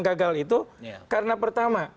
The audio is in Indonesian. gagal itu karena pertama